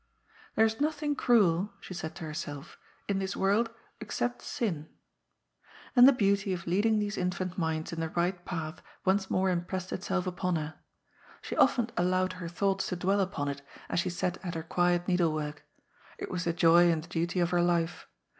"There is nothing cruel," she said to herself, "in this world, except sin." And the beauty of leading these infant minds in the right path once more impressed itself upon her. She often BLIND JUSTICK 355 allowed her thoughts to dwell npon it, as she sat at her quiet needle work. It was the joy and the duty of her life.